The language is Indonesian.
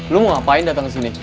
lo mau ngapain datang kesini